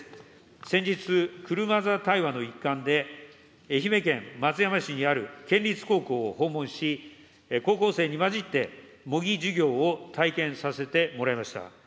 先日、車座対話の一環で、愛媛県松山市にある県立高校を訪問し、高校生に交じって、模擬授業を体験させてもらいました。